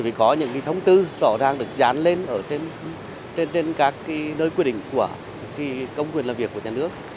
vì có những thông tư rõ ràng được dán lên ở trên các nơi quy định của công quyền làm việc của nhà nước